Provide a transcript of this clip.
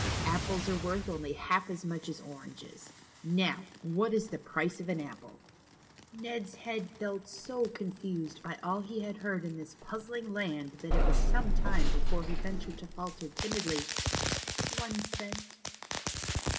Apples are worth only half as much as oranges. Now, what is the price of an apple ?" Ned's head felt so confused by all he had heard in 70 THE CHILDREN'S WONDER BOOK. this puzzling land that it was some time before he yentured to falter timidly :" One cent."